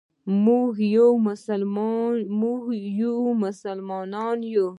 موږ یو مسلمان یو.